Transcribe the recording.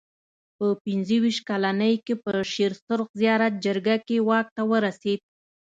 په پنځه ویشت کلنۍ کې په شېر سرخ زیارت جرګه کې واک ته ورسېد.